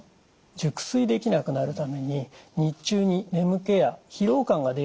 熟睡できなくなるために日中に眠気や疲労感が出やすくなります。